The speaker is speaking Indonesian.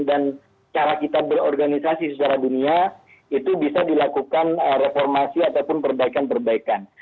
dan cara kita berorganisasi secara dunia itu bisa dilakukan reformasi ataupun perbaikan perbaikan